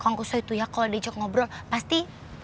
kanku soya itu ya kalo dijak ngobrol pasti